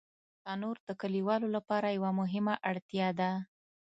تنور د کلیوالو لپاره یوه مهمه اړتیا ده